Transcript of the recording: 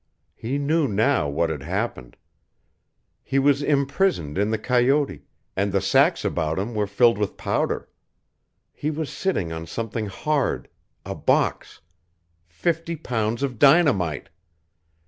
He knew now what had happened. He was imprisoned in the coyote, and the sacks about him were filled with powder. He was sitting on something hard a box fifty pounds of dynamite!